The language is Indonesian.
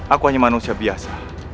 aku hanya manusia biasa